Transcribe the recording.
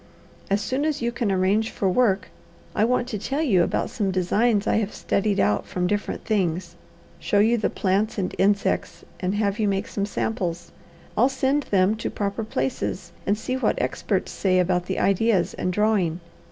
As soon as you can arrange for work, I want to tell you about some designs I have studied out from different things, show you the plants and insects, and have you make some samples. I'll send them to proper places, and see what experts say about the ideas and drawing.